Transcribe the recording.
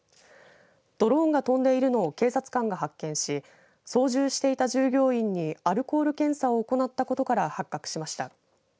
ドローンが飛んでいるのを警察官が発見し操縦していた従業員にアルコール検査を行ったことから発覚しました。